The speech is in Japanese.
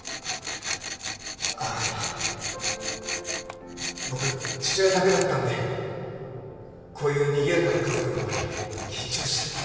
あの僕父親だけだったんでこういうにぎやかな家族の場に緊張しちゃって。